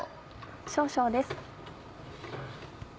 少々です。